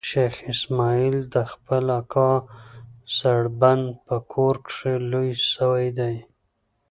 شېخ اسماعیل د خپل اکا سړبن په کور کښي لوی سوی دئ.